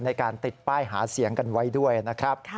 ในการติดป้ายหาเสียงกันไว้ด้วยนะครับ